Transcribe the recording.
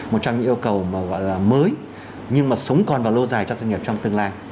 một trong những yêu cầu mà gọi là mới nhưng mà sống còn và lâu dài cho doanh nghiệp trong tương lai